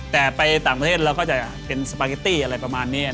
แต่ไปต่างประเทศเราก็จะเป็นสปาเกตตี้อะไรประมาณนี้